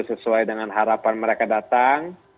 sesuai dengan harapan mereka datang